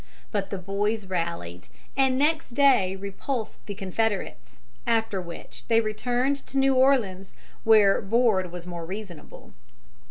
But the boys rallied, and next day repulsed the Confederates, after which they returned to New Orleans, where board was more reasonable.